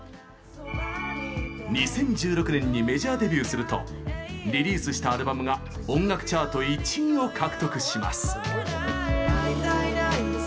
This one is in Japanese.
２０１６年にメジャーデビューするとリリースしたアルバムが音楽チャート１位を獲得します。